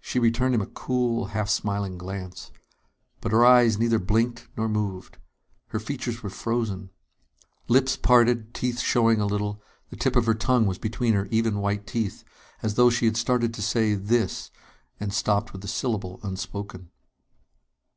She returned him a cool, half smiling glance. But her eyes neither blinked nor moved. Her features were frozen. Lips parted, teeth showing a little, the tip of her tongue was between her even white teeth as though she had started to say "this" and stopped with the syllable unspoken.